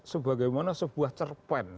sebagai mana sebuah cerpen